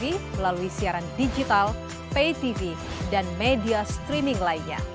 melalui siaran digital pay tv dan media streaming lainnya